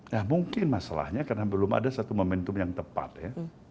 ya mungkin masalahnya karena belum ada satu momentum yang tepat ya